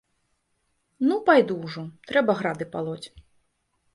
Ну, пайду ўжо, трэба грады палоць.